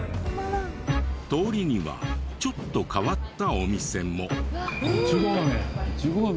通りにはちょっと変わったお店も。